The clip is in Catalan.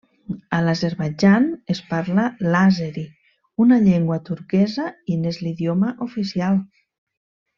A l'Azerbaidjan es parla l'àzeri, una llengua turquesa, i n'és l'idioma oficial.